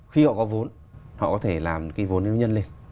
khi họ có vốn họ có thể làm cái vốn yêu nhân lên